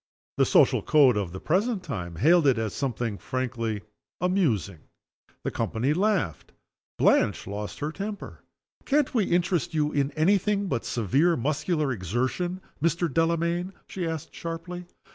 The social code of the present time hailed it as something frankly amusing. The company laughed. Blanche lost her temper. "Can't we interest you in any thing but severe muscular exertion, Mr. Delamayn?" she asked, sharply.